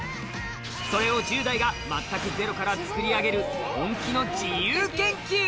それを１０代が全くゼロから作り上げる本気の自由研究。